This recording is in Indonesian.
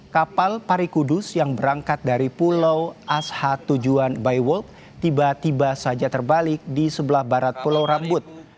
kapal parikudus yang berangkat dari pulau asha tujuan by world tiba tiba saja terbalik di sebelah barat pulau rambut